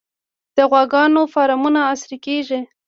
د غواګانو فارمونه عصري کیږي